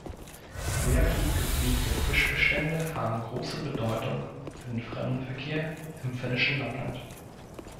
Sehr gut gepflegte Fischbestände haben große Bedeutung für den Fremdenverkehr im finnischen Lappland.